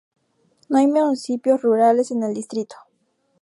No hay municipios rurales en el distrito.